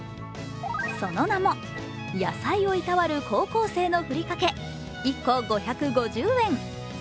その名も野菜を労る高校生のふりかけ１個５５０円。